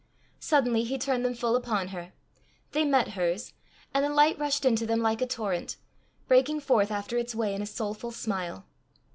Suddenly he turned them full upon her; they met hers, and the light rushed into them like a torrent, breaking forth after its way in a soulful smile.